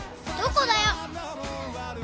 どこだよ？